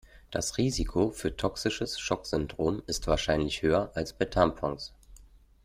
Das Risiko für toxisches Schocksyndrom ist wahrscheinlich höher als bei Tampons.